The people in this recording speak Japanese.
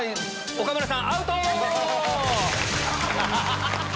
岡村さんアウト！